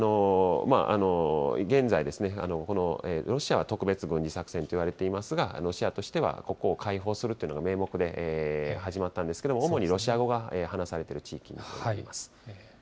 ここは現在、ロシアは特別軍事作戦といわれてますが、ロシアとしてはここを開放するというのが名目で始まったんですけれども、主にロシア語が話されている地域になっています。